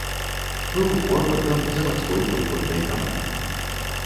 Быў форвардам завадской футбольнай каманды.